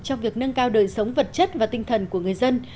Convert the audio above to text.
trong việc nâng cao đời sống vật chất và tinh thần của người dân